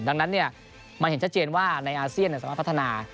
ดังนั้นมันเห็นชัดเจนว่าในอาเซียนสามารถพัฒนา